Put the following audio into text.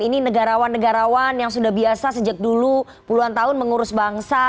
ini negarawan negarawan yang sudah biasa sejak dulu puluhan tahun mengurus bangsa